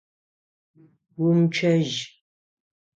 Умычъэжь!